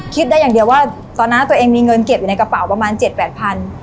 คิดได้อย่างเดียวว่าตอนนั้นตัวเองมีเงินเก็บอยู่ในกระเป๋าประมาณเจ็ดแปดพัน